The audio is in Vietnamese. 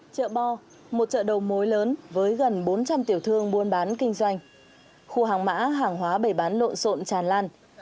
trợ bo một trợ đầu mối lớn với gần bốn trăm linh tiểu thương buôn bán kinh doanh khu hàng mã hàng hóa bày bán lộn sộn tràn lan